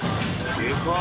でかい。